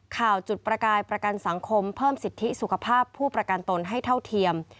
ข่าวจุดประกายประกันสังคมเพิ่มสิทธิสุขภาพผู้ประกันตนให้เท่าเทียม